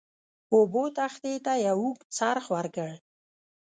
اوبو تختې ته یو اوږد څرخ ورکړ.